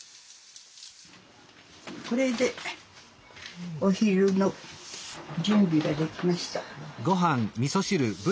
これでお昼の準備ができました。